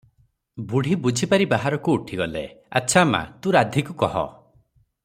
ବୁଢ଼ୀ ବୁଝିପାରି ବାହାରକୁ ଉଠିଗଲେ - "ଆଚ୍ଛା ମା, ତୁ ରାଧୀକୁ କହ ।"